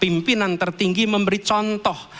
pimpinan tertinggi memberi contoh